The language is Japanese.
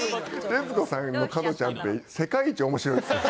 徹子さんの「加トちゃんペッ」世界一面白いですね。